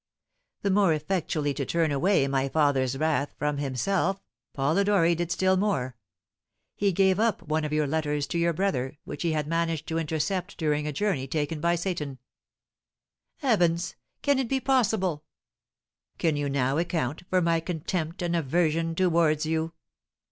The more effectually to turn away my father's wrath from himself, Polidori did still more; he gave up one of your letters to your brother, which he had managed to intercept during a journey taken by Seyton." "Heavens! Can it be possible?" "Can you now account for my contempt and aversion towards you?"